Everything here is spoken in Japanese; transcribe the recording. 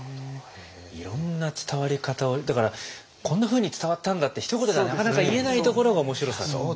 いろんな伝わり方をだからこんなふうに伝わったんだってひと言ではなかなか言えないところが面白さと？